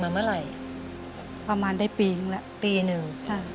เมื่อไหร่ประมาณได้ปีนึงแล้วปีหนึ่งใช่